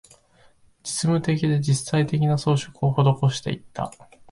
実務的で、実際的な、装飾を施していった